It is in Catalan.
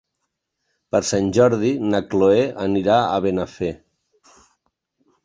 Per Sant Jordi na Cloè anirà a Benafer.